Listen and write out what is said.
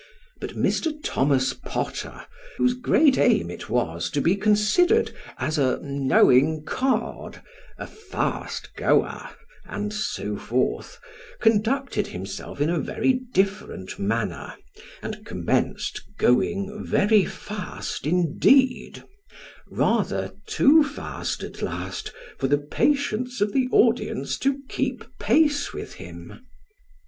But Mr. Thomas Potter, whose great aim it was to be considered as a " knowing card," a " fast goer," and so forth, conducted himself in a very different manner, and commenced going very fast indeed rather too fast at last, for the patience of the audience to keep pace with him.